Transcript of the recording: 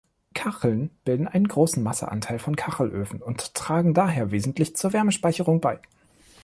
Kacheln bilden einen großen Masse-Anteil von Kachelöfen und tragen daher wesentlich zur Wärmespeicherung bei.